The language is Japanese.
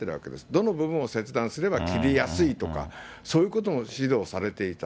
どの部分を切断すれば切りやすいとか、そういうことも指導されていた。